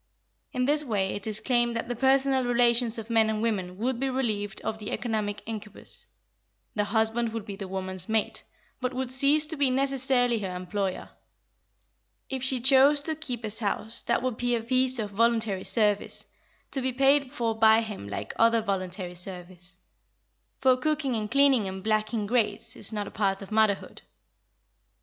In this way it is claimed that the personal relations of men and women would be relieved of the economic incubus: the husband would be the woman's mate, but would cease to be necessarily her employer. If she chose to keep his house, that would be a piece of voluntary service, to be paid for by him like other voluntary service; for cooking and cleaning and blacking grates is not a part of motherhood.